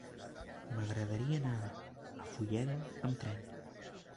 M'agradaria anar a Fulleda amb tren.